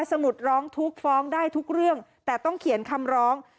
สมุดร้องทุกข์ฟ้องได้ทุกเรื่องแต่ต้องเขียนคำร้อง